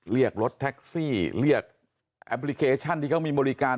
เรียกรถแท็กซี่เรียกแอปพลิเคชันที่เขามีบริการ